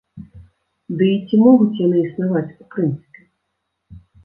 Ды і ці могуць яны існаваць у прынцыпе?